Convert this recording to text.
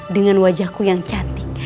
dengan wajahku yang cantik